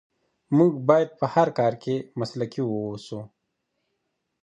موږ باید په هر کار کې مسلکي واوسو.